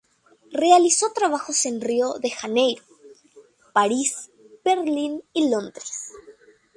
Realizó trabajos en Río de Janeiro, París, Berlín y Londres.